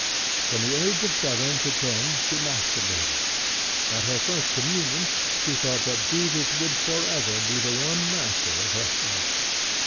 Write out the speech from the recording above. From the age of seven to ten she masturbated. At her first communion she felt that Jesus would for ever be the one master of her heart.